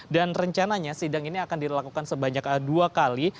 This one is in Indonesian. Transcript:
dan rencananya sidang ini akan dilakukan sebanyak dua kali